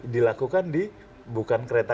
dilakukan di bukan kereta